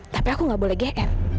tapi aku gak boleh gm